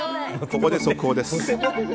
ここで、速報です。